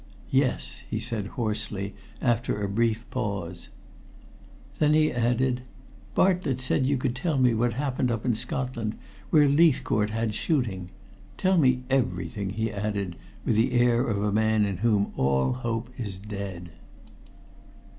"Yes," he said hoarsely, after a brief pause. Then he added: "Bartlett said you could tell me what happened up in Scotland, where Leithcourt had shooting. Tell me everything," he added with the air of a man in whom all hope is dead.